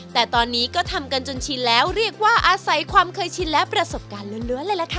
แต่ตอนนี้ก็ทำกันจนชินแล้วเรียกว่าอาศัยความเคยชินและประสบการณ์ล้วนเลยล่ะค่ะ